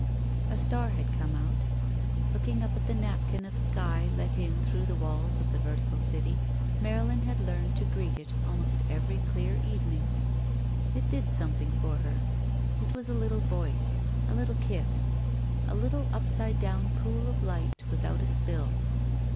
A star had come out. Looking up at the napkin of sky let in through the walls of the vertical city, Marylin had learned to greet it almost every clear evening. It did some thing for her. It was a little voice. A little kiss. A little upside down pool of light without a spill.